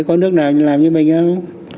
có nước nào làm như mình không